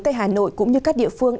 tây hà nội cũng như các địa phương